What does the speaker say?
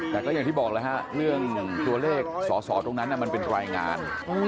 แต่ก็อย่างที่บอกแล้วฮะเรื่องตัวเลขสอสอตรงนั้นมันเป็นรายงาน